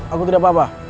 aku tidak apa apa